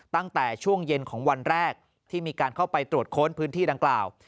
ตั้งแต่ช่วงเย็นของวันแรกที่มีการเข้าไปตรวจค้นพื้นที่ดังกล่าว